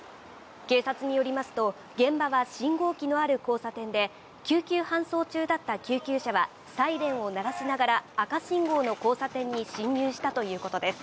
警察によりますと、現場は信号機のある交差点で救急搬送中だった救急車はサイレンを鳴らしながら赤信号の交差点に進入したということです。